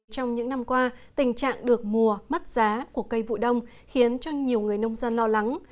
trong những năm qua tình trạng được mùa mất giá của cây vụ đông khiến cho nhiều người nông dân lo lắng